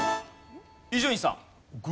伊集院さん。